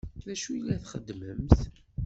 D acu i la txeddmemt?